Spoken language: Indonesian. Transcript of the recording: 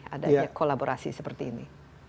adanya kolaborasi seperti ini